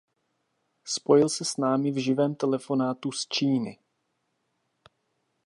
Spojil se s námi v živém telefonátu z Číny.